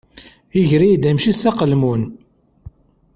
Iger-iyi-d amcic s aqelmun.